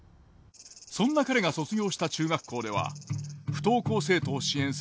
そんな彼が卒業した中学校では不登校生徒を支援する教室